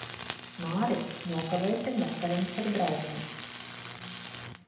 Māri, nokavēsim vakariņas ar draugiem.